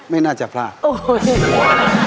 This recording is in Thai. ไม่น่าจะพลาด